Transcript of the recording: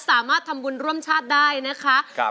สามารถทำบุญร่วมชาติได้นะคะ